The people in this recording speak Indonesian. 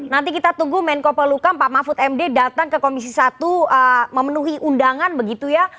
nanti kita tunggu menko peluka pak mahfud md datang ke komisi satu memenuhi undangan begitu ya